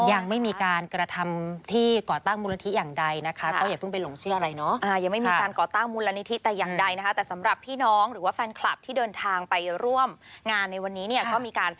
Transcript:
ยังไม่มีการกระทำที่ก่อตั้งมูลนิธิอย่างใดนะคะ